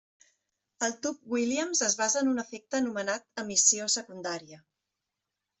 El tub Williams es basa en un efecte anomenat emissió secundària.